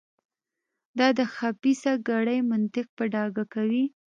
دا د خبیثه کړۍ منطق په ډاګه کوي.